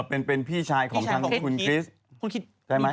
เออเป็นพี่ชายคุณคิดมันเป็นพี่สาว